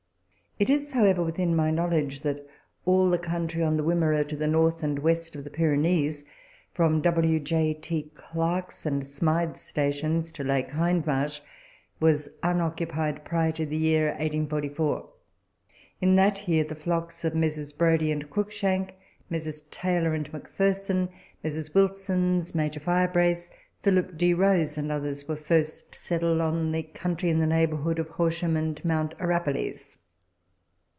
It is, however, within my know ledge that all the country on the Wimmera to the north and west of the Pyrenees, from W. J. T. Clarke's and Smythe's stations to Lake Hindmarsh, was unoccupied prior to the year 1844. In that year, the flocks of Messrs. Brodie and Cruikshauk, Messrs. Taylor and McPherson, Messrs. Wilsons, Major Firebrace, Philip D. Rose, and others, were first settled on the country in the neighbourhood of Horsham and Mount Arapiles.